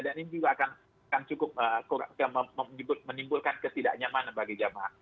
dan ini juga akan cukup menimbulkan ketidaknyaman bagi jama